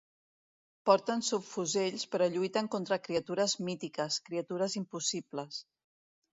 Porten subfusells però lluiten contra criatures mítiques, criatures impossibles.